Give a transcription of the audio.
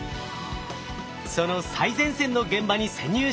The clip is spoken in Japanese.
その最前線の現場に潜入しました。